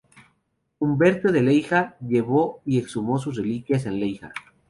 Lamberto de Lieja llevó y exhumó sus reliquias en Lieja.